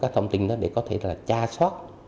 thông tin đó để có thể là tra soát